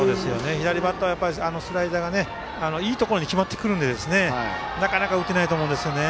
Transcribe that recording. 左バッターはスライダーがいいところに決まってくるのでなかなか打てないと思うんですね。